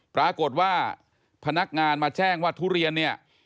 ปรากฏว่าพนักงานมาแจ้งว่าทุเรียน